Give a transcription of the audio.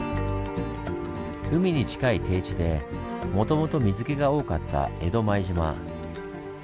海に近い低地でもともと水けが多かった江戸前島。